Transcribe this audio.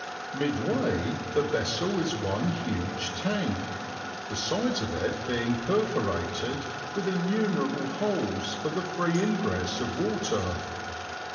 Midway the vessel is one huge tank, the sides of it being perforated with innumerable holes for the free ingress of water.